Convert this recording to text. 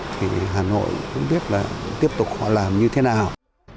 thì hà nội cũng biết là tiếp tục họ làm như thế nào